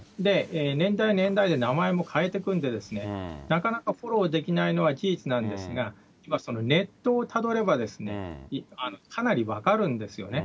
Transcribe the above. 年代年代で名前も変えていくんで、なかなかフォロー出来ないのは事実なんですが、ネットをたどればですね、かなり分かるんですよね。